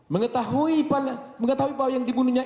mengetahui bahwa yang dibunuhnya